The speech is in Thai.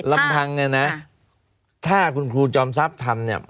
ลำพังเนี่ยนะถ้าคุณครูจอมทรัพย์ทำเนี่ย